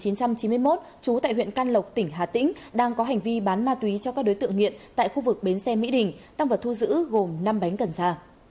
năm một nghìn chín trăm chín mươi một chú tại huyện canh lộc tỉnh hà tĩnh đang có hành vi bán ma túy cho các đối tượng nghiện tại khu vực bến xe mỹ đình tăng vật thu giữ gồm năm bánh cần xa